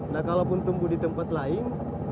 nah kalaupun tumbuh di tempat lain